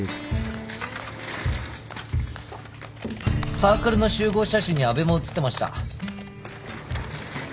サークルの集合写真に阿部も写ってました。